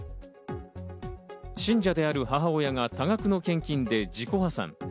信者である母親が多額の献金で自己破産。